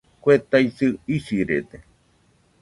Kue taisɨ isirede